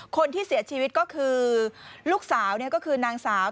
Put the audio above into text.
คนที่เสียชีวิตก็คือลูกสาวก็คือนางสาว